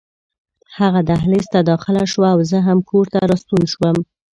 هغه دهلېز ته داخله شوه او زه هم کور ته راستون شوم.